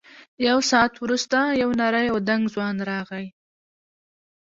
یو ساعت وروسته یو نری او دنګ ځوان راغی.